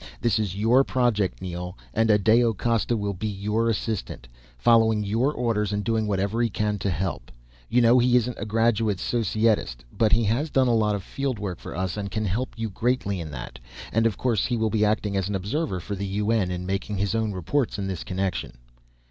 This is your project Neel, and Adao Costa will be your assistant, following your orders and doing whatever he can to help. You know he isn't a graduate Societist, but he has done a lot of field work for us and can help you greatly in that. And, of course, he will be acting as an observer for the UN, and making his own reports in this connection."